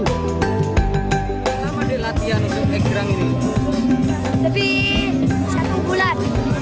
lebih satu bulan